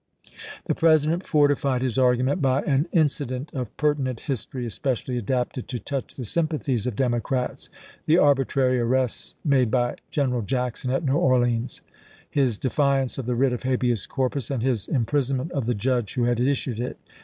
The President fortified his argument by an inci dent of pertinent history especially adapted to touch the sympathies of Democrats — the arbitrary arrests made by General Jackson at New Orleans; his defiance of the writ of habeas corpus, and his im prisonment of the judge who had issued it.